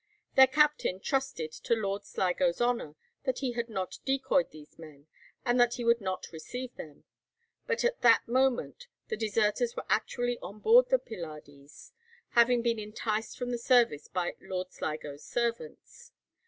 Their captain trusted to Lord Sligo's honour that he had not decoyed these men, and that he would not receive them; but at that moment the deserters were actually on board the 'Pylades,' having been enticed from the service by Lord Sligo's servants.